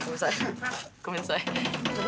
ごめんなさい。